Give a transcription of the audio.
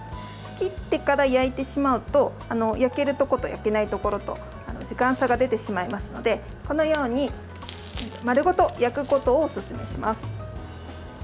切ってから焼いてしまうと焼けるところと焼けないところと時間差が出てしまいますのでこのように丸ごと焼くことをおすすめします。